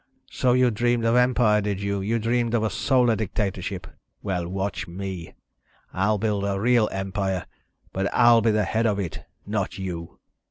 So you dreamed of empire, did you? You dreamed of a solar dictatorship. Well, watch me! I'll build a real empire. But I'll be the head of it ... not you."